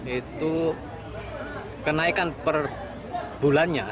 itu kenaikan per bulannya